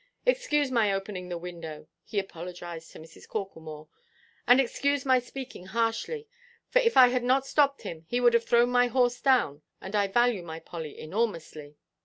Excuse my opening the window," he apologized to Mrs. Corklemore, "and excuse my speaking harshly, for if I had not stopped him, he would have thrown my horse down, and I value my Polly enormously."